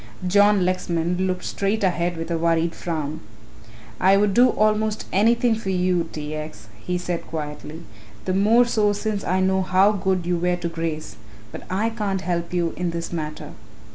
John Lexman looked straight ahead with a worried frown. "I would do almost anything for you, T. X.," he said quietly, "the more so since I know how good you were to Grace, but I can't help you in this matter.